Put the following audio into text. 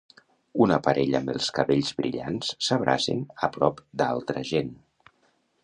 Una parella amb els cabells brillants s'abracen a prop d'altra gent.